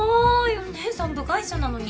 お義姉さん部外者なのに。